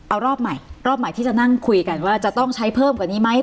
เอารอบใหม่รอบใหม่ที่จะนั่งคุยกันว่าจะต้องใช้เพิ่มกว่านี้ไหม